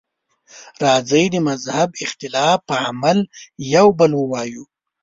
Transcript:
راځئ د مهذب اختلاف په عمل یو بل وولو.